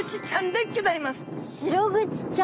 シログチちゃん？